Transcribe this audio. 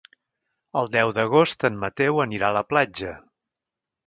El deu d'agost en Mateu anirà a la platja.